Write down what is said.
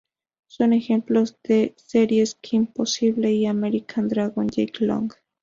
Son ejemplos las series “Kim Possible", y "American Dragon: Jake Long".